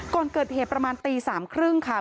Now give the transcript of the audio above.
ก่อนเกิดเหตุประมาณตี๓๓๐ค่ะ